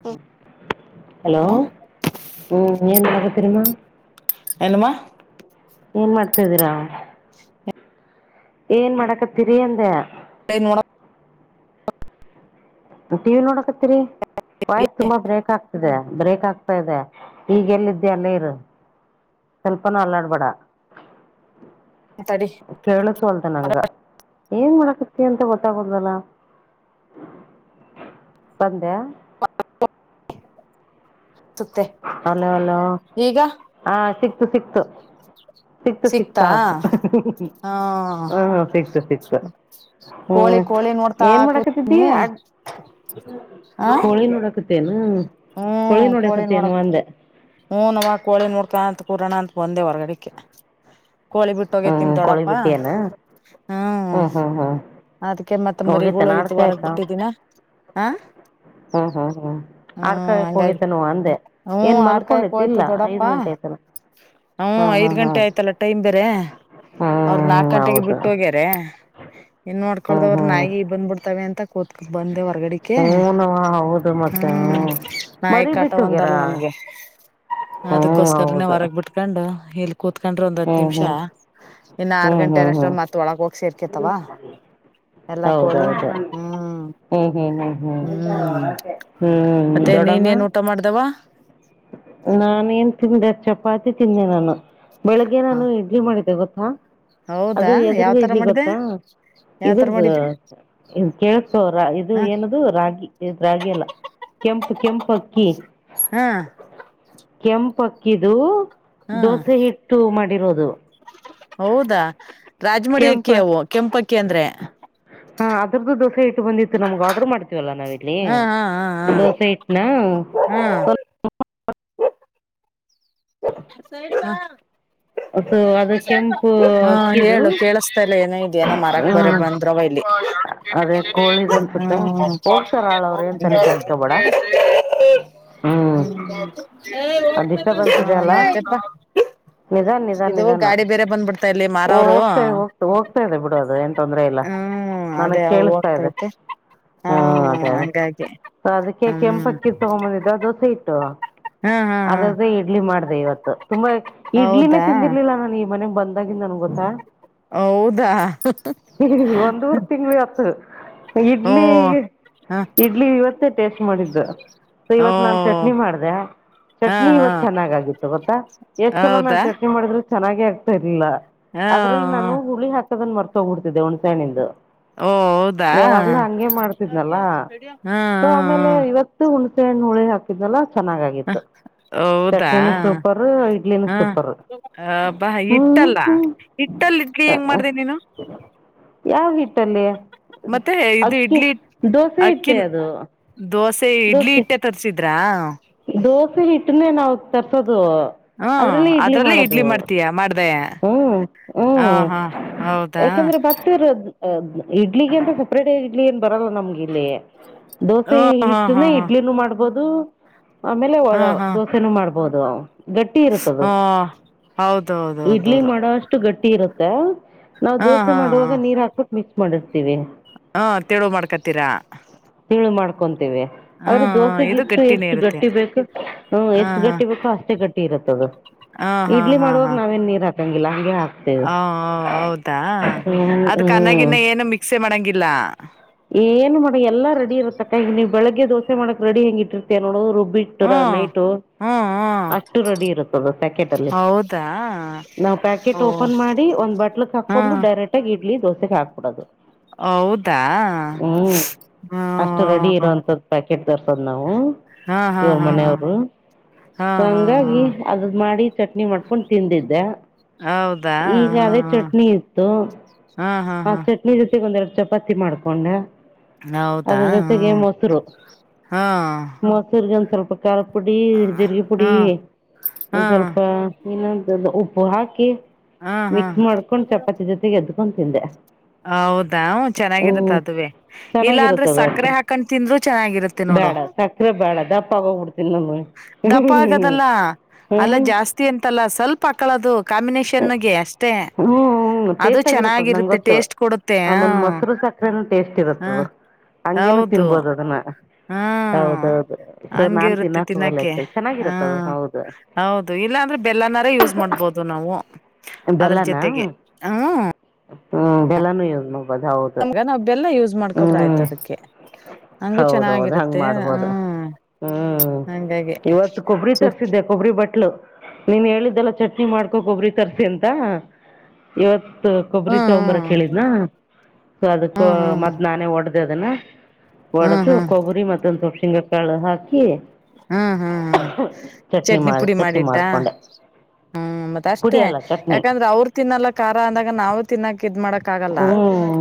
ಅ hello ಹ್ಮ್ ನೀ ಎಾಗ ತಿರುಮ? ಎನುಮ್ಮ? ಏನ್ ಮಾಡ್ತಾದ್ದೀರಾ? ಏನ್ ಮಾಡಕತ್ತೀರಿ ಅಂದೆ? ನೋಡ ಟಿವಿ ನೋಡಕ್ಕೆ ರಿ ವಾಯ್ಸ್ ತುಂಬಾ ಬ್ರೇಕ್ ಆಗ್ತಿದೆ ಬ್ರೇಕ್ ಆಗ್ತಾ ಇದೆ, ಈಗೆಲ್ಲ ಇದ್ಯ ಅಲ್ಲ ಇರು ಸ್ವಲ್ಪನ ಅನಾಡಬಡ ತಡಿ ಕೇಳಸ ಅಲ್ದ ನಂಗ ಏನ್ ಮಾಡಕತ್ತ ಅಂತ ಗೊ ತಗುದಲ್ಲ ಬಂದ್ಯಾ ಹ ಅಲೋ ಅಲೋ ಈಗ ಹ ಸಿಕ್ತು ಸಿಕ್ತು. ಸಿಕ್ತ ಸಿಕ್ತಾ ಸಿಕ್ತಾಳ ಆ ಹ ಸಿಗ್ತ ಸಿಕ್ತ ಹ್ಮ ಕೋಳಿ ಕೋಳಿ ನೋಡ್ತಾ ಏನ್ ಮಾಡೋಡಾಕತಿದ್ದಿ ಕೂತೀನಿ ಆ ಕೋಳಿ ನೋಡಾಕತ್ತೇ ಹ್ಮ್ ಪಳಿ ನೋಡಕ ೋ ಹ ನವ ಕೋಳಿ ನೋಡ್ತಂತ ಪುರಾಣ ಅಂತ ಬಂದೆ ಹೊರ್ಗಡೆಕ್ಕೆ, ಕೋಳಿ ಬಿಟ್ಟೋಗೇತಿ ನಿಮ ಹ್ಮ್ ಕೋಳಿ ದೊಡ್ಡಪ್ಪಾ ಬಿಟ್ಟಿಯನ ಹ್ಮ ಅದಕ ಮತ್ತೆ. ಹೋಗಿತ್ತ ನಾಡ್ತಯಕ್ಕ ಆ ಹ್ಮ್ ಹ್ಮ್ ಹ್ಮ್. ಹ್ಮ್ ಆಡ್ಕಾಯಕ್ ಹಂಗಾಗಿ ಹೋಗೇತೇನೋ ಅಂದೆ ಹ್ೂ ಏನ್ ಆಡ್ ಕಾಯಕ್ ಮಲ್ಕೊಂಡಿತ್ತು ಹೋಯ್ತು ಇಲ್ಲ ಐದ್ ದೊಡ್ಡಪ್ಪಾ ಗಂಟೆ ಆಯ್ತಲ್ಲ ಹ್ೂ ಹ್ಮ್ ಐದ್ ಹ್ಮ್ ಗಂಟೆ ಹ್ಮ್ ಆಯ್ತಲ್ಲ ಟೈಮ್ ಬೇರೆ ಅವ್ರ ನಾಕ ಹ್ಮ್ ಗಂಟೆಗೆ ಹೌದು ಬಿಟ್ಟೋಗ್ಯಾರ. ಏನ್ ಹ್ಮ್ ನೋಡ್ಕೊದವ್ರ ಹ್ಮ್ ನಾಯಿ ಬಂದ್ಬಿಡ್ತಾವ ಅಂತ. ಬಂದೇವ. ಹೂನ ಹೌದು ಮತ್ತೆ. ಹ್ಮ್ ನಾಯ ಮರಿ ಕ ಆಟ ಬಿಟ್ಟು ಹೋಗ್ಯಾರ ಒಂದಲ್ಲ ನಮ್ಗೆ ಹ್ಮ್ ಅದಕ್ಕೋಸ್ಕರನೇ ಹೌದು ಹೊರಗ್ ಬಿಿಟ್ಕೊಂಡು. ಹೇಳ್. ಕೂತ್ಕೊಂಡ್ರಿ ಒಂದ್ ಹತ್ ಹ್ಮ್ ನಿಮಿಷ ಹ್ಮ್ ಇನ್ ಆರ್ ಹ್ಮ್ ಗಂಟೆ ಹ್ಮ್ ಅನಷ್ಟ ಹ್ಮ್ ಮತ್ತ ಒಳಗ ಹೋಗ್ ಸೇರ್ಕೇತವ ಎಲ್ಲಾ ಕೋಳಿ ಹೌದೌದು ಹ್ಮ್ ಹ್ಮ್ ಹ್ಮ್ ಹ್ಮ್ ಹ್ಮ್. ಹ್ಮ್ ಮತ್ತೆ ನೀನ್ ದೊಡಮ್ಮ ಏನ್ ಊಟ ಮಾಡ್ದವ ನಾನ ನ್ ತಿಂದ್ದೆ. ಚಪಾತಿ ತಿನ್ನೆ ನಾನು ಬೆಳಿಗ್ಗೆ ಹ ನಾನು ಇಡ್ಲಿ ಮಾಡಿದ್ದೆ ಗೊತ್ತ. ಹಾ. ಹೌದಾ ಯಾವ್ ತರ ಮಾಡಿದೆ ಯಾವ್ ತರ ಇದ್ರದು ಮಾಡಿದ್ದೆ ಕೇಳತ ರಾ ಇದು ಹ ಏನದು ರಾಗಿ ಇದ ರಾಗಿ ಎಲ್ಲ ಕೆಂಪು ಕೆಂಪು ಅಕ್ಕಿ. ಹಾ ಕೆಂಪಕ್ಕಿದು ಹಾ ದೋಸೆ ಹಿಟ್ಟು ಮಾಡಿರೋದು ಹ ಹೌದಾ ರಾಜ್ಮಡಿಯಕ್ಕೆ ಅವು ಕೆಂಪ ಅಕ್ಕಿ ಕೇಂದ್ರೆ ಹಾ ಅದ್ರದ್ದು ದೋಸೆ ಹಿಟ್ಟಿನ ಆರ್ಡರ್ ಮಾಡಿದೆ ಲ್ಲ ನಾವ್ ಇಲ್ಲಿ ಹಾ ಹಾ ಹಾ ಹಾ ದೋಸೆ ಹಿಟ್ನಾ ಹ್ಮ್ ಸ [inaudible] ಹೊಸು ಅದು ಕೆಂಪು ಅಕ್ಕಿದು ಏನ ಮಾರಕ್ ಬರ ಆ, ಬಂದ್ರವ ಇಲ್ಲಿ ಅದೇ ಕೋಳಿದ್ ಅನ್ಸುತ್ತೆ ಹ್ಮ್ಮ ಹೋಗ್ತಾರಾಳ ಅವ್ರ ಏನ್ ತಲೆ ಕೆಡ್ಸ್ಕೊಬೇಡ [inaudible] ಅ ಹಾ ಮತ್ತೆಪ್ಪ [inaudible] ನಿಧಾನ ನಿಧಾನ ಓ ಮಾರವ್ರು ಹೋಗ್ತಾ ಇ ಹೋಗ್ ಹೋಗ್ತಾ ಇದೆ ಬಿಡು ಅದು ಏನ್ ತೊಂದ್ರ ಇಲ್ಲ ಹ್ಮ್ ನನಗ್ ಅದೇ ಅವ್ರು ಕೇಳಿಸ್ತಾ ಇದೆ ಹೋಗ್ತೈತೆ ಹ ಹಾ ಅದೇ ಅದೇ ಹಂಗಾಗಿ ಅದಕ್ಕೆ ಹ್ಮ್ ಕೆಂಪಕ್ಕಿ ತಗೊಂಬಂದಿದ್ದ ದೋಸೆ ಹಿಟ್ಟು. ಹಾ ಹಾ ಹಾ ಅದದೆ ಇಡ್ಲಿ ಮಾಡು ಅದೇ ಇವತ್ತು ತುಂಬಾ ಇಡ್ಲಿನೇ ಹೌದಾ ತಿಂದಿರ್ಲಿಲ್ಲ ನಾನ ಈ ಮನೆಗ್ ಬಂದಾಗಿಂದ ನನ್ ಗೊತ್ತ ಹೌದಾ ಒಂದವರೆ ಊರ್ ತಿಂಗಳ ಆಯಿತ್ತು. ಹ್ಮ ಇಡ್ಲಿ ಹ ಇಡ್ಲಿ ಇವತ್ತೇ ಟೇಸ್ಟ್ ಮಾಡಿದ್ದ ಸೊ ಇವತ್ ನಾನ್ ಹ್ಮ ಚಟ್ನಿ ಮಾಡ್ದೆ ಹಾ ಚಟ್ನಿ ಹಾ ಇವತ್ ಚೆನ್ನಾಗಾಗಿತ್ತು ಗೊತ್ತಾ. ಎಷ್ಟ್ ಸಲ ನಾನ್ ಹೌದಾ ಚಟ್ನಿ ಮಾಡಿದ್ರೆ ಚೆನ್ನಾಗೆ ಆಗ್ತಾ ಇರ್ಲಿಲ್ಲ ಹಾ ಆದ್ರೂ ನಾನು ಹುಳಿ ಹಾಕ ಮರ್ತ್ಹೋಗ್ಬಿಡ್ತಿದ್ದೆ ಹುಣಸೆ ಹಣ್ಣಿದು ಓ ಹೌದಾ ಯಾವಾಗ್ಲೂ ಹಂಗೆ ಮಾಡ್ತಿದ್ಲ ಹಾ ಸೊ ಹಾ ಆಮೇಲೆ ಇವತ್ತು ಉ ಹುಣಸೆಹಣ್ಣು ಹುಳಿ ಹಾಕಿದ್ದಲ್ಲ. ಚೆನ್ನಾಗಾಗಿತ್ತು. ಹೌದಾ ಸೂಪರು ಇಡ್ಲಿನೂ ಹಾ ಸೂಪರು ಅ ಬಾ ಹ್ಞೂ ಹಿಟ್ಟಿಲ್ಲ ಹ್ಞೂ ಹಿಟ್ಟಲ್ಲಿ ಇಡ್ಲಿ ಹೆಂಗ ಮಾಡ್ದ ನೀನು. ಯಾವಾಗ. ಮತ್ತೆ ಇದು ಅಕ್ಕಿ ಇಡ್ಲಿ ದೋಸೆ ಇಟ್ಟೆ ಅಕ್ಕಿನ ಅದು. ದೋಸೆ ಇಡ್ಲಿ ದೋಸೆ ಹಿಟ್ಟೆ ತರ್ಸಿದ್ರಾ ದೋಸೆ ಹಿಟನ ನ. ತರ್ಸ. ಹ್ಮ ಅದ್ರಲ್ಲೇ ಇಡ್ಲಿ ಮಾಡ್ತೀಯಾ ಮಾಡ್ದ. ಹ್ಮ್ ಹ್ಮ್ ಹೌದಾ ಯಾಕೆಂದ್ರೆ ಭತ್ತರ. ಅ ಇಡ್ಲಿಗೆ ಅಂತ ಸುಪ್ರೇಟ ಇಡ್ಲಿ ಏನ್ ಬರಲ್ಲ ನಮ್ಗೆ. ಇಲ್ಲಿ ದೋಸೆ ಹ ಹಾ ಹಾ ಇಟ್ಟನೆ ಹಾ ಇಡ್ಲಿನೂ ಮಾಡ್ಬೋದು. ಆಮೇಲೆ ಒ ಹಾ ದೋಸೆನ ಮಾಡ್ಬು. ಬದ. ಹಾ ಹೌದೌದು. ಇಡ್ಲಿ ಮಾಡೋಷ್ಟು ಗಟ್ಟಿ ಇರುತ್ತೆ. ಹಾ. ನಾವ್ ಹಾ ದೋಸೆ ಹಾ ಮಾಡುವಾಗ ನೀರ್ ಹಾಕ್ಬಿು ಮಿ. ಮಾಡರ್ತೀವಿ. ಹ್ಮ ತಿಳು ಮಾಡ್ಕತೀರಾ ತಿಳು ಮಾಡ್ಕೊಂತೀವಿ ಆದ್ರೆ ದೋಸೆಗ ಇಷ್ಟು ಎಷ್ಟು ಇರುತ್ತೆ ಗಟ್ಟಿ ಬೇಕು ಹ ಎಷ್ಟು ಗಟ್ಟಿ ಬೇಕೋ ಅಷ್ಟೇ ಗಟ್ಟಿ ಇರುತ್ತದು ಹಾ ಹ ಇಡ್ಲಿ ಹಾ ಹಾ ಹಾ ಮಾಡುವಾಗ ನೀರ್ ಹಾಕಂಗಿಲ್ಲ ಗೆ ಆಗ್ತಾ ಇದೆ ಹ ಹೌದಾ ಹ್ಮ ಅದಕ್ ಅನ್ನಗಿನ್ನ ಏನು ಮಿಕ್ಸೆ ಮಾಡಂಗಿಲ್ಲ ಏನು ಮಾಡಿ ಎಲ್ಲಾ ರೆಡಿ ಇರತ್ತಕ್ಕವು ಬೆಳಗ್ಗೆ ದೋೆ ಮಾಡಕ್ ರೆಡಿ ಹೆಂಗ ಇಟ್ಟರ್ತಾ ನೋದು ಬಿಟ್ಟ್ರ ಹ್ಮ್ ನೈಟು ಹ್ಮ್ ಹ್ಮ್ ಅಷ್ಟು ರೆಡಿ ಇರುತ್ತದ ಸ್ಯಾಕೆಟ್ ಅಲ್ಲಿ ಹೌದಾ ನಾವ್ ಪ್ಯಾಕೆಟ್ ಓ ಓಪನ್ ಮಾಡಿ ಒಂದ್ ಬಟ್ಲ್ಕ್ ಹಾ ಹಾಕೊಂಡು ಡೈರೆಕ್ಟ್ ಆಗ ಇಡ್ಲಿ ದೋಸೆ ಹಾಬ ಕೊಡೋದು ಹೌದಾ ಹ ಕೆಟ್ಟತರ್ಸದ್ ನಾವು ಇವ್ರ ಹಾ ಮನೆಯವರು ಹಾ ಸ ಹಾ ಹಾ ಹಂಗಾಗಿ ಅದ ಮಾಡಿದ ಚಟ್ನಿ ಮಾಡ್ಕೊಂಡು ತಿಂದಿದ್ದ ಹೌದಾ ಈಗ ಹಾ ಅದೇ ಚಟ್ನಿ ಇತ್ತು ಹಾ ಆ ಹಾ ಹಾ ಚಟ್ನಿ ಜೊತೆಗೊಂದರ ಚಪಾತಿ ಮಾಡ್ಕೊಂಡ ಹೌದಾ ಅದ್ರ ಜೊತೆಗೆ ಮೊಸರು ಹಾ ಹಾ ಮೊಸರ್ಗೆ ಒಂದ ಸ್ವಲ್ಪ ಖಾರ ಪುಡಿ ಜಿರ್ಗ ಪುಡಿ ಹಾ ಹಾ ಒಂದ ಸ್ವಲ್ಪ ಇನ್ನ ಒಬ್ಬ ಹಾಕಿ ಹಾ ಹಾ ಮಿಕ್ಸ್ ಮಾಡ್ಕೊಂಡ್ ಚಪಾತಿ ಜೊತೆಗೆ ಎದ ಬ್ ತಿಂದೆ ಹೌದಾ ಚೆನ್ನಾಗಿರತ್ತ ಹ್ಮ್ ಅದುವೇ ಇಲ್ಲಾ ಅಂದ್ರೆ ಚೆನ್ನಾಗಿರುತ್ತ ಅದು ಸಕ್ಕರೆ ಆಕ್ಚುಲಿ ಹಾಕೊಂಡ್ ತಿಂದ್ರರು ಚೆನ್ನಾಗಿರತ್ತೆ ನೋಡು ಬೇಡ ಸಕ್ಕರೆ ಬೇಡ ದಪ್ಪ ಆಗೋಗ್ಬಿಡ್ತೀನಿ ನಾನು ದಪ್ಪ ಆಗದಲ್ಲ ಅಲ್ಲ ಹ್ಮ್ ಜಾಸ್ತಿ ಅಂತಲ್ಲ ಸ್ವಲ್ಪ ಪಕ್ಕಳದು ಕಾಂಬಿನೇಷನ್ ಗೆ ಅಷ್ಟು ಹ್ಮ್ ಹ್ಮ್ ಟೇಸ್ಟ್ ಆಗಿರತ್ತದ ನಂಗ್ ಗೊತ್ತು ಟೇಸ್ಟ್ ಕೊಡುತ್ತೆ ಹ ಆಮೇಲ್ ಮೊಸರು ಸಕರೆೇನ ಟೇಸ್ಟ್ ಹ ಇರುತ್ತದು ಹಂಗೇನು ತಿನ್ಬೋದು ಅದನ್ನ ಹ್ಮ ಹೌದೌದು ಸೊ ಹಂಗೆ ನಾನ್ ಇರುತ್ತೆ ತಿನ್ನಾಕ್ ಹೋಗಲ್ಲ ತಿನ್ನಾಕೆ ಹೆಚ್ಚಾಗ್ ಚೆನ್ನಾಗಿರುತ್ತದು ಹ್ಮ ಹೌದು ಹೌದು ಇಲ್ಲಾಂದ್ರೆ ಬೆಲ್ಲನಾರ ಯೂಸ್ ಮಾಡ್ಬೋದು ನಾವು ಅದ್ರ ಬೆಲ್ಲನಾ ಜೊತೆಗೆ ಹ್ಮ ಹ್ಮ್ ಬೆಲ್ಲಾನ ಉಜ್ ಹದ್ ಹೌದು ನಾವ್ ಬೆಲ್ಲ ಯೂಸ್ ಮಾಡ್ಕೊಬ್ರ ಆಯ್ತ ಹ್ಮ್ ಅದಕ್ಕೆ ಹಂಗು ಹೌದೌದ ಹಂಗ್ ಚೆನ್ನಾಗಿರುತ್ತೆ ಮಾಡ್ಬೋದು ಹ್ಮ್ ಹ್ಮ್ ಹಂಗಾಗಿ ಇವತ್ತು ಕೊಬ್ಬರಿ ಸು ತರ್ಸಿದ್ದೆ ಕೊಬ್ಬರಿ ಬಟ್ಲು ನೀನ್್ ಹೇಳಿದ್ದಲ್ಲ ಚಟ್ನಿ ಮಾಡ್ಕೊಕ್ ಒಬ್ರಿ ತರ್ಸಿ ಅಂತ ಇವತ್ ಕೊಬ್ಬರಿ ಹ್ಮ್ ತಂಬರ ಕೇಳಿದ್ನಾ ೊ ಅದಕ್ಕ ಹ್ಮ್ ಹ್ಮ್ ಮತ್ ನಾನೇ ಒಡ್ದ ಇ ಅದನ್ನ ಹ್ಮ್ ಹ್ಮ್ ಹ್ಮ್ ಒಡಸು ಹ್ಮ್ ಕೊಬ್ಬರಿ ಮತ್ತೊಂದು ಸ್ ಶಿಂಗಕಾಳು ಹಾಕಿ ಹ್ಮ್ ಹ್ಮ್ ಹ್ಮ್ ಚಟ್ನಿ ಮಾಡಿ ಪುಡಿ ಚಟ್ನಿ ಮಾಡಿಟ್ಟಾ ಮಾಡಿಕೊಂಡೆ ಹ್ಮ್ ಮತ್ತ ಅಷ್ಟ ಪುಡಿ ಅಲ್ಲ ಚಟ್ನಿ ಯಾಕಂದ್ರೆ ಅವ್ರ ಲ್ಲ ಾರ ಅಂದಾಗ ನಾವು ತಿನ್ನ ಇದ್ ಮಾಡಕ್ ಆಗಲ್ಲ ಹ್ಞೂ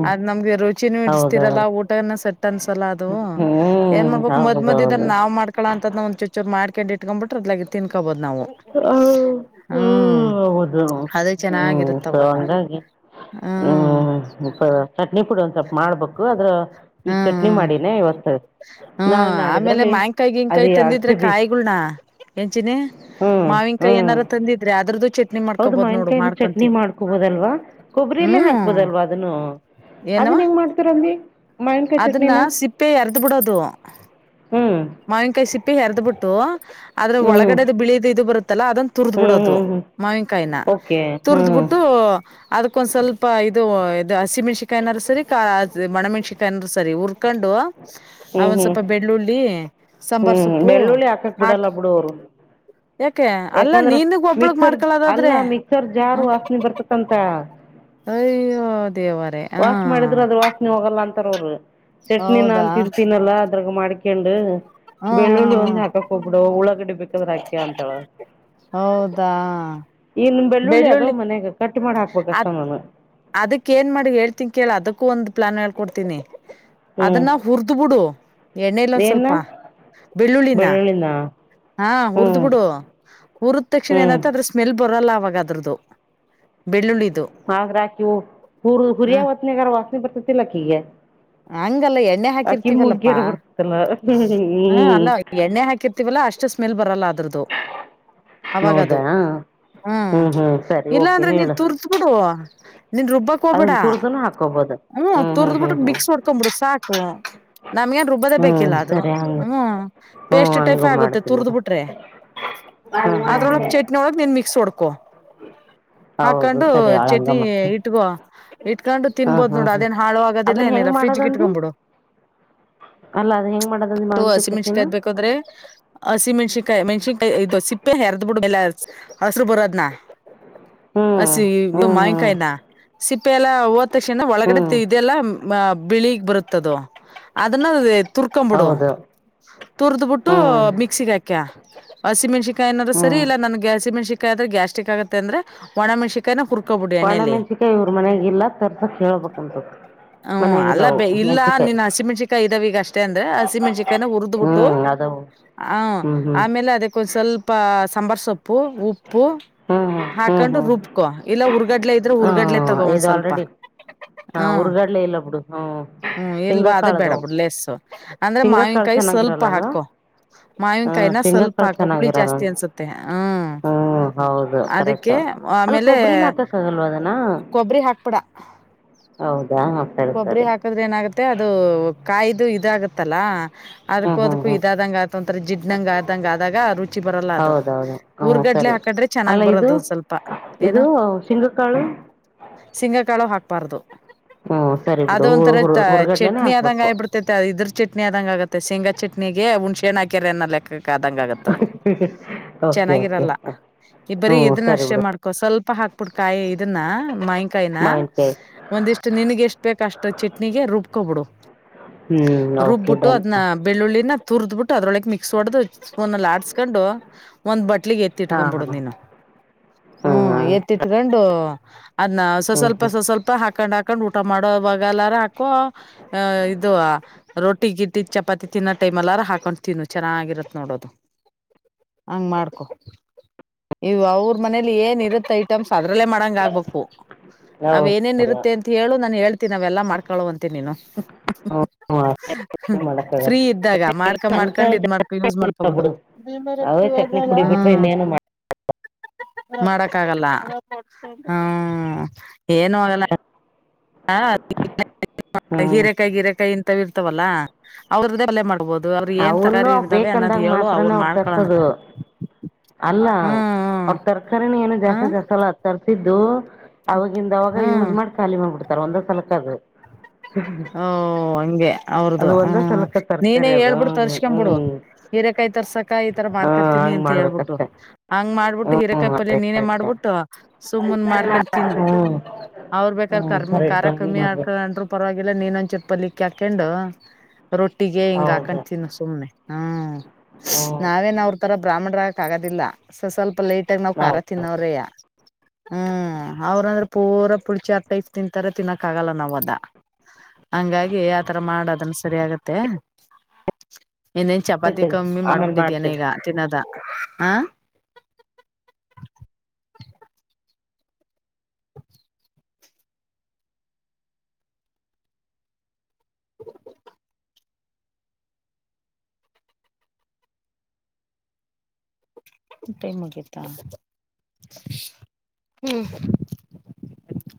ಅದ್ ನಮ್ಗೆ ರುಚಿನೂ ಹೌದು ಇಡ್ಸ್ತಿೀರಲ್ಲ ಊಟನ ಸಟ್ ಅನ್ಸಲ್ಲ ಅದು ಹ್ಞೂ ಏನ್ ಮಾಡ್ಬಕ್ ಮದ್ ಮದ ಇದ ಹೌದೌದು ನಾವ್ ಮಾಡ್ ಕಳ ಅಂತ ಒ ಚಚ್ಚೋರ್್ಕೊಂಡ ಇಟ್ಕೊಂಬಿ್ರ ಅದ್ಾಗಿ ತಿನ್ಕೋಬದು ನಾವು ಹ್ಞೂ ಹ್ಮ್ ಹೌದು ಅದೇ ಹ್ಞೂ ಸೊ ಚೆನ್ನಾಗಿರುತ್ತವಾಗ ಹಂಗಾಗಿ ಹ್ಮ್ ಮಾಡ್ಬೇಕು ಅದ್ರ ಈಗ ಹ್ಮ್ ಚಟ್ನಿ ಹ್ಮ ಮಾಡಿನೇ ಇವತ್ತು ಹ್ಮ್ ನಾಳೆ ಆಮೇಲೆ ನಾಡಿದ್ರಲ್ಲಿ ಮಾ್ಯಾಂಕಾಯಿ ಅದು ಗಿನ್ಕಾಯಿ ತಂದಿದ್ರೆ ಅಗಸೆ ಕಾಯಿಗಳನ ಎನ್ಚಿನಿ ಹ್ಮ್ ಹ್ಮ್ ಚಟ್ನಿ ಹೌದು ಮಾಡ್ಕೋಬಹದ್ ನೋಡು ಮಾಯನ್ಕಾಯನ ಚಟ್ನಿ ಮಾಡ್ಕೊಂತೀನಿ ಮಾಡ್ಕೋಬೋದಲ್ವಾ ಕೊಬ್ಬರಿಲ್ಲೇ ಹ್ಮ್ ಹಾಕ್ಬೋದಲ್ವಾ ಅದನ್ನು ಏನವ ಅದನ್ ಹೆಂಗ್ ಮಾಡ್ತಾರಿ ಅದನ್ನ ಸಿಪ್ಪೆ ಎರ್ದ ಬಿಡೋದು ಹ್ಮ್ ಮಾವಿನಕಾಯಿ ಸಿಪ್ಪೆ ತಪ್ಪಿ ಎರದ್ ಬಿಿಟ್ಟು ಆದ್ರೆ ಹ್ಮ್ ಒಳಗಡೆದು ಬಿಳದು ಇದು ಬರುತ್ತೆ ಲ್ಲ ಅದನ್ನ ತುರ್ದ್ ಹ್ಮ್ ಬಿಡೋದು ಹ್ಮ್ ಹ್ಮ್ ಮಾವಿನಕಾಯಿನ ಓಕೆ ಹ್ಮ್ ತುರ್ದ್ ಬಿಿಟ್ಟು ಅದಕ್ಕೊಂದ್ ಸ್ವಲ್ಪ ಇದು ಇದು ಹಸಿ ಮಣಸಿಕಾಯಏನಾರ ಸರಿ ಮಣಮೆಣ್ಸಿಕ ಕನ್ ಸರಿ ಉರ್ಕೊಂಡ್ುವ ಹ್ಮ್ ಹ್ಮ್ ಸಾಂಬಾರ್ ಹ್ಮ್ ಸೊಪ್ಪು ಬೆಳ್ಳುಳ್ಳಿ ಹಾಕಕ್ ಬಿಡಲ್ಲ ಹಾಕ್ ಬಿಡೋರು ಯಾಕೆ ಅಲ್ಲ ಯಾಕಂದ್ರ ನೀನಗ್ ಒಬ್ಳಗ್ ಮಿಕ್ಸರ್ ಅಲ್ಲ ಮಾಡ್ಕೊಳದಾದ್ರೆ ಮಿಕ್ಸರ್ ಜಾರ್ ಹ ವಾಸನೆ ಬರ್ತಕ್ಕಂತ ಅಯ್ಯೋ ದೇವರೇ ಹ ವಾಶ್ ಮಾಡಿದ್ರ ಅದ್ರ ವಾಸನೆ ಹೋಗಲ್ಲ ಅಂತ ರೂರು ಹೌದಾ ದ್ರಾಗ ಮಾಡ್ಿಕೊಂಡು ಹ್ಮ ಹ್ಮ ಬೆಳ್ಳುಳ್ಳಿ ಹ್ಮ ಒಂದು್ ಹಾಕಕ್ ಹೋಗ್ಬಿಡು ಉಳಾಗಡಿ ಬೇಕು ಹೌದಾ ಇನ್ನು ಬೆಳ್ಳುಳ್ಳಿ ಅದಾವ ಮನ್ಯಾಗ ಕಟ್ ಮಾಡಿ ಹಾಕ್ಬೇಕು ಅ ಅಷ್ಟೇ ನಾನು ಅದಕ್ ಏನ್ ಮಾಡ ಹೇಳ್ತನ್ ಕೇಳ ಅದಕ್ಕೂ ಒಂದು ಪ್ಲಾನ್ ಹೇಳ್ ಕೊಡ್ತೀನಿ ಹ್ಞೂ ಅದನ್ನ ಹುರ್್ದ್ ಬಿಿಡು ಎಣ್ಣೆಲ್ಲ ಒಂದ ಏನು ಸ್ವಲ್ಪ ಬೆಳ್ಳುಳ್ಳಿನ ಹಾ ಹ್ಞೂ ಹುರಿದ್ ಬಿಿಡು ಹುರಿದ ತಕ್ಷಣ ಹ್ಞೂ ಏನತ ಅದ್ರ ಸ್ಮೆಲ್ ಬರಲ್ಲ ದ್ರದ್ದದು ಬೆಳ್ಳುಳ್ಳಿ ಆದ್ರೆ ಅಕಿ ಹುರ್ ಹುರಿಯ ವತ್ನೆಗಾರ ವಾಸನೆ ಬರ್ತತಿಲ್ಲ ಅಕ್ಕೀಗೆ ಹಂಗಲ್ಲ ಎಣ್ಣೆ ಅಕ್ಕಿ ಹಾಕಿರ್ತೀವಲ್ಲಪ್ಪಾ ಮೂಗಿಯಾರ ಬರ್ತಲ್ಲ್ಮ ಹ್ಮ್ ಅಲ್ಲ ಎಣ್ಣೆ ಹಾಕಿರ್ತೀವಲ್ಲ ಅಷ್ಟು ಸ್ಮೆಲ್ ಬರಲ್ಲ ಅದ್ರದ್ದು ಅವಾಗದು ಹೌದಾ ಹ್ಮ್ ಹ್ಮ ಇಲ್ಲಾ ಅಂದ್ರೆ ನೀವು ತುರ್ದ ಬಿಡು [unintelligible] ನೀನ್ ರುಬ್ಬಕ್ ಹೋಗ್ಬೇಡ ಅದನ್ನು ತುರಿದೂ ಹಾಕ್ಕೋಬೋದು ಹ್ಮ್ ಹ್ಞೂ ಹ್ಞೂ ತುರದ್ ಹ್ಞೂ ಬುಟ್ಟು ಹ್ಞೂ ಮಿಕ್ಸ್ ಹೊಡ್ಕೋಮ್ ಬುಡು ಸಾಕು ನಮ್ಗೇನ್ ರುಬ್ಬದ ಹ್ಞೂ ಬೇಕಿಲ್ಲ ಅದು ಸರಿ ಹಂಗೆ ಹ್ಮ ಹ್ಞೂ ಪೇಸ್ಟ್ ಟೈಪ್ ಹಂಗೆ ಆಗುತ್ತೆ ಮಾಡ್ತೀನಿ ತುರ್ದ್ ಬಿಡು ಬಿಟ್ರೆ ಹ್ಞೂ ಹ್ಞೂ ಅದ್ರೊಳಗ್ ಹ್ಞೂ ಚಟ್ನಿ ಒಳಗ್ ನೀನ್ ಮಿಕ್ಸ್ ಹೊಡ್ಕ ಹೌದು ಹಾಕೊಂಡು ಸರಿ ಹಂಗೆ ಚಟ್ನಿ ಮಾಡ್ತೀನಿ ಇಟ್ಕೋ ಇಟ್ಕೊಂಡು ಹಾಂ ತಿನ್ಬಹದ್ ಹಾಂ ನೋಡು ಹಾಂ ಅದೇನ್ ಹಾಳು ಆಗೋದಿಲ್ಲ ಅದನ್ನು ಏನಿಲ್ಲ ಹೆಂಗೆ ಫ್ರಿಜ್ ಮಾಡೋದಂದು ಇಟ್ಕೊಂಡ್ಬಿಡು ಅಲ್ಲ ಅದು ಹೆಂಗ್ ಮಾಡೋದಂದ ಮಾವಿನಕಾಯಿ ಹಸಿ ಮೆನ್ಸಿ ಚಟ್ನಿನ ಕಾಯಿದು ಬೇಕಾದ್ರೆ ಹಸಿ ಮೆಣ್ಸನ್ಕಾಯಿ ಮೆಣಸ ಇದು ಸಿಪ್ಪೆ ಹೆರದ್ ಬಿಡು ಎಲ್ಲ ಹಸರು ಬರೋದ್ನಾ ಹ್ಮ್ ಅಸಿ ಇ ಹ್ಮ್ ಮಾಯಿನ್ ಹ್ಮ್ ಕಾಯಿನಾ ಸಿಪ್ಪೆ ಎಲ್ಲ ಹೋದ್ ತಕ್ಷಣ ಒಳಗಡೆ ಹ್ಮ್ ಇದೆಲ್ಲ ಬಿಳಿಗ್ ಬರುತ್ತದು ಅದನ್ನ ತುರ್ಕೊಂಬಿಡು ಹೌದು ತುರ್ದ್ ಬಿಟ್ಟು ಹ್ಮ್ ಮಿಕ್ಸಿಗೆ ಹಾಕ್ಯ ಅಸಿ ಮೆನ್ಸಿ ಕಾಯ್ನಾದರು ಸರಿ ಹ್ಮ್ ಇಲ್ಲ ನನ್ಗ್ ಅಸಿಮೆನ್ಸಿ ದ್ರೆ ಗ್ಯಾಸ್ಟಿಕ್ ಆಗುತ್ ಅಂದ್ರೆ ಒಣ ಮೆನ್ಶಿ ಕಾಯಿನ ಹುರ್ ಒಣಮೆಂಸಿಕಾಯ ಇವ್ರ ಮನೆಗೆಲ್ಲಾ ತರ್ ಹ್ಮ್ ಅಲ್ಲ ಬೆ ಇಲ್ಲ ಮೆಣಸಿಕಾಯಿ ನೀನ್ ಹಸಿಮೆಣಸಿಕಾಯಿ ಇದಾವೀಗ ಅಷ್ಟೇ ಅಂದ್ರೆ ಹಸಿಮೆಣಸಿಕಾಯ್ನ ಹುರ್ದ್ಬಿಟ್ಟು ಹ್ಮ್ ಅದವು ಹ ಹ್ಮ್ ಹ್ಮ್ ಆಮೇಲೆ ಅದಕ್ಕೊಂದ್ ಸ್ವಲ್ಪ ಸಾಂಬಾರ ಸೊಪ್ಪು ಉಪ್ಪು ಉಪ್ಪು ಹ್ಮ್ ಹ್ಮ್ ಹ್ಮ್ ಹಾಕೊಂಡು ಹ್ಮ್ ರುಬ್ಕೊ ಇಲ್ಲ ಹುರ್ಗಡ್ಲೆ ಇದ್ರೆ ಹುರ್ಗಡ್ಲೆ ತಗೋ ಒಂದ್ ಇದು ಸ್ವಲ್ಪ ಆಲ್ರೆಡಿ ಹಾ ಹ್ಮ ಹುರ್ಗಡ್ಲೆ ಇಲ್ಲ ಬಿಡು ಹ್ಮ್ ಹ್ಮ್ ಶೇಂಗಾ ಇಲ್ವಾ ಅದೇ ಬೇಡ ಕಾಳದವು ಬಿಡ್ಲೆಸ್ಸು ಅಂದ್ರೆ ಶೇಂಗಾ ಕಾಳು ಮಾವಿನಕಾಯಿ ಸ್ವಲ್ಪ ಚೆನ್ನಾಗಿರಲ್ಲ ಅಲ್ವಾ ಹಾಕು ಹ್ಮ್ ಮಾವಿನಕಾಯಿನ ಶೇಂಗಾ ಸ್ವಲ್ಪ ಕಾಳು ಹಾಕ ಹುಳಿ ಚೆನ್ನಾಗಿರಲ್ಲ ಜಾಸ್ತಿ ಅನ್ಸುತ್ತೆ ಹ್ಮ್ ಹ್ಮ್ ಹೌದು ಕರೆಕ್ಟ್ ಅದಕ್ಕೆ ಅಲ್ಲಿ ಆಮೇಲೆ ಕೊಬ್ಬರಿಲಿ ಹಾಕಕ್ ಆಗಲ್ವ ಕೊಬ್ಬರಿ ಹಾಕ್ಬಿಡ ಹ ಹೌದು ಕೊಬ್ಬರಿ ಹಾಕದ್ರೆ ಏನಾಗುತ್ತೆ ಅದು ಕಾಯ್ದು ಇದಾಗತ್ತಲ್ಲಾ ಅದ್ಕ ಹ್ಮ್ ಹ್ಮ್ ಅದ್ಕು ಹ್ಮ್ ಇದಾದಂಗ ಆತ ಒಂತರ ಜಿಡ್ನಂಗ ಆದಂಗ ಆದಾಗ ರುಚಿ ಬರಲ್ಲ ಅದು ಹೌದೌದು ಹ್ಮ್ ಊರ್ಗಡ್ಲೆ ಸರಿ ಹಾಕಡ್ರೆ ಅಲ್ಲ ಚೆನ್ನಾಗ್ ಇದು ಬರದು ಸ್ವಲ್ಪ ಇದು ಏನು ಶೇಂಗಕಾಳು ಸಿಂಗಕಾಳು ಹಾಕ ಬರ್ದು ಹ್ಮ್ ಸರಿ ಅದ ಬಿಡು ಒಂಥರ ಹುರ್ಗಡ್ಲೆನೆ ಚಟ್ನಿ ಆದಂಗ ಹಾಕ್ಬೇಕು ಆಗಿಬಿಡ್ತೈತೆ ಇದ್ರ ಚಟ್ನಿ ಆದಂಗ ಆಗತ್ತೆ ಶೇಂಗಾ ಚಟ್ನಿಗೆ ಉಣ್ಶೇಹಣ್ ಹಕ್ಯಾರ ಅನಲ್ಲ ಆದಂಗ ಆಗತ್ತದು ಓಕೆ ಓಕೆ ಚೆನ್ನಾಗಿರಲ್ಲ ಇ ಹ್ಞೂ ಬರಿ ಇದ್ನ್ ಸರಿ ಅಷ್ಟೇ ಬಿಡು ಮಾಡ್ಕೊ ಸ್ವಲ್ಪ ತಪ್ಪ ಹಾಕ್ಬಿಟ್ಟು ಕಾಯಿ ಇದನ್ನ ಮೈ. ನಾ ಮಾವಿನಕಾಯಿ ಒಂದಿಷ್ಟು ನಿನಗೆಷ್ಟ. ಷ್ಟ ಚಟ್ನಿಗೆ ರುಬ್ಕೋಬಿಡು ಹ್ಮ್ ಓಕೆ ರುಬ್ಬಿಟ್ಟು ಡನ್ ಅದನ್ನ ಬೆಳ್ಳುಳ್ಳಿ. ತುರ್ದ್ ಬಿಿಟ್ಟು ಅದ್ರೊಳಗೆ ಮಿಕ್ಸ್ ಹೊಡದು ಸ್ಪೂನ್ ಅಲ್ಲಿ ಆಡಸ್ಕೊಂಡು ಒಂದ ಬಟ್ಟೆ. ಇಟ್ಲಿಗೆ ಹಾ ಹಾ ಎತ್ತಿಟ್ಕೊ್ಬಿಡ ನೀನು ಹ್ಮ ಹ್ಮ್ ಎತ್ತಿಟ್ಕೊಂಡು. ಅದ ಸ ಹ್ಮ್ ಸ್ವಲ್ಪ ಹ್ಮ್ ಸ್ವಲ್ಪ ಹಾಕೊಂಡ್ ಹಾ. ಕ. ಟಮಾಟೋ ಬಾಗ ಎಲ್ಲ ರಾ. ಇದು ರೊಟ್ಟ. ಟ್ಟ ಗಿಟ್ಟ ಚಪಾತಿ ತಿನ್ನೋ ಟೈಮಲ್ಲಾರ ಹಾಕೊಂಡು ತಿನ್ನು ಚೆನ್ನಾಗಿರುತ್ತ ನೋಡೋದು ಹಂಗ ಮಾಡ್ಕೊ ಇವು ಅವ್ರ ಮನೇಲಿ ಏನ್ ಇರುತ್ತ. ಐ ಅದಲ್ಲ ಮಾಡ ನ ಹೌದು ೇ ಇರು ಅ ನ. ಹೇಳ್ತಿ ನ ಅವೆಲ್ಲ ಮಾಡ. ಂತ ನೀನು ಹ್ಮ್ ಅಷ್ಟೇನ್ ಮಾಡಕ್ಕಾಗಲ್ಲ ಫ್ರೀ ಇದ್ದಾಗ ಮಾಡ್ಕೊಂಡ ಅಂತ ಮಾಡಕ್ ಇದ್ ಮಾಡ ಯಸ್ ಮಾಡಕಬ. ಜನ ಬಿಡು ಅವೇ ಚಟ್ನಿ ಪುಡಿ ಬಿಟ್ರೆ ಇನ್ನೇನು ಮಾಡ ಮಾಡಕ್ಕ ಆಾಗಲ್ಲ ಹ್ಮ. ಏನ್ ಆಾಗಲ್ಲ. ಹಾ. ಹ್ಮ್ ಹೀರೆಕಾಯಿ ಗಿರೆಕಾಯಿ ಇಂತ ಇರ್ತವಲ್ಲಾ. ಅವ್ರದ್ದ ತಲೆ ಮಾಡ್ಬೋದು. ಅವ್ರ ಏನ್ ಅವನು ತರಾರಿ ಇರ್ದಾವೆ ಅನ್ನೋದ್ ಬೇಕಂದಾಗ ಹೇಳು ಮಾತ್ರಾನ ಅವನ್ ಅವರು ಮಾಡ್ಕೊಳಣ ತರ್ಸದು. ಇಲ್ಲ ಹ್ಮ್ ಅವ್ರ ತರ್ಕಾರಿಿನ ಏನು ಜಾಸ್ತಿ ಹ್ಮ್ ಜಸ್ರ್. ಸಿದ್ದು. ಹ್ಮ್ ಅವಾಗಿಂದ ಅವಾಗ ಹ್ಮ್ ಯೂಸ್ ಮಾಡಿ ಖಾಲಿ ಮಾಡ್ಬಿಡ್ತಾರ ಒಂದ್ ಸಲಕದು. ಹಓ ಹಂಗೆ. ಅವ್ರದು ಅದು ಒಂದೇ ಹ್ಮ ಸಲಕ ನೀನೇ ತರಕಾರಿ ಅದು ಹೇಳ್ಬಿಟ್ಟ ತರ್ಸ್ಕೊ್ಬಿಡು ಹ್ಮ್ ಹೀರೇಕಾಯಿ ತರ್ಸಕ ಈತರ ಹ ಮಾಡ್ಕೊತೀನಿ ಹಂಗ್ ಅಂತ ಹೇಳ್ಬಿಟ್ಟು ಮಾಡ್ಬೇಕಷ್ಟೆ ಹಂಗ್ ಮಾಡ್ಬಿಟ್ಟು ಹ್ಮ್ ಹೀರೆೇಕಾಯಿ ಪಲ್ಯ ಅದೇ ನೀನೇ ಕರೆಕ್ಟ್ ಮಾಡ್ಬಿಟ್ಟು ಸುಮ್ಮನ್ ಮಾಡ್ಕೊಂಡತನ್ ಹ್ಮ್ ಅವ್ರ್ ಬೇಕಾದ ಹ್ಮ್ ಕರ್ಮ ಖಾರ ಕರೆಕ್ಟ್ ಹಂಗ್ ಕಮ್ಮಿ ಮಾಡ್ಬೇಕು ಆಕೊಂಡ್ರು ಪರವಾಗಿ. ಆಲ್ಲ ನೀನ್ೊಂದ್ಚೂರು ಪಲ್ಲಿಕ್ಕ ಹಾಕೊಂಡು. ರೊಟ್ಟಿಗೆ ಹಿಂಗ್ ಹೌದು ಹಾಕೊಂಡತೀನ್ ಸುಮ್ಮನೆ ಹ್ಮ್ ಹ್ಮ್ ನಾವೇನ್ ಅವ್ರ ತರ ಬ್ರಾಹ್ಮಣ. ಕ್ ಆಗೋದಿಲ್ಲ ಸ ಸ್ವಲ್ಪ. ಪ ಲೈಟ್ ಆ ನಾವ್ ಖಾರ ತಿನ್ನವ್ರೇ. ಹ್ಮ್ ಅವ್ರಂದ್ರೆ ಪೂರಾ ಪುಡಚಿ ಆತೈಸ್ ತಿಂತಾರ ತಿನ್ನಕ್ ಆಗಲ್ಲ ನಾವ್ ಅದ. ಹಂಗಾಗಿ ಆತರ ಮಾಡೋದನ್ನ ಸರಿ ಆಗತ್ತೆ. ಇಏನೇನ್ ಚಪಾತಿ ಕಮ್ಮಿ ಆಮೇಲೆ ಮಾಡ್ಬಿಟ್ಟಿದ್ಯಾನ ಮಾಡ್ತೀನಿ ಈಗ ತಿನ್ನೋದ. ಆಾ. ಹ್ಮ್ಮ್. [inaudible] ಊಟಮಗಿತಾ [unintelligible] ಹ್ಮ್